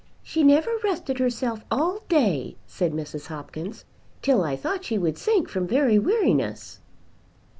"She never rested herself all day," said Mrs. Hopkins, "till I thought she would sink from very weariness."